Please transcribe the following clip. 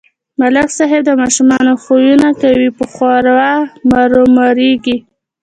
ملک صاحب د ماشومانو خویونه کوي په ښوراو مرورېږي.